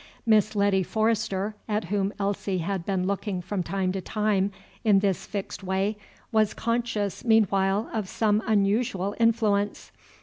Miss Letty Forrester, at whom Elsie had been looking from time to time in this fixed way, was conscious meanwhile of some unusual influence.